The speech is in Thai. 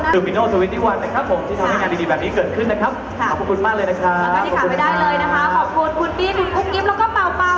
ที่ทำให้งานดีแบบนี้เป็นขึ้นข่าว